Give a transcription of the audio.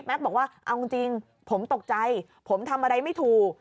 บอกว่าเอาจริงผมตกใจผมทำอะไรไม่ถูก